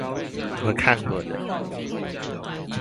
我看過的